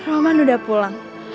roman udah pulang